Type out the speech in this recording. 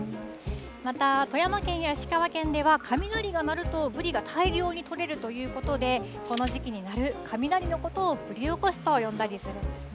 また、富山県や石川県では雷が鳴るとブリが大量に取れるということで、この時期になる雷のことをブリおこしと呼んだりするんですね。